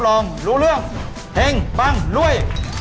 รู้เรื่องเฮ้งปั้งล่วย